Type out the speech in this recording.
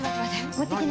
持っていきな。